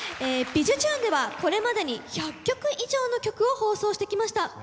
「びじゅチューン！」ではこれまでに１００曲以上の曲を放送してきました。